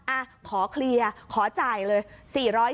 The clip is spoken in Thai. อ่ะขอเคลียร์ขอจ่ายเลย